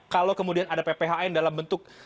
kalau kemudian ada pphn dalam bentuk